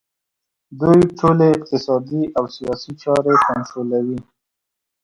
دوی ټولې اقتصادي او سیاسي چارې کنټرولوي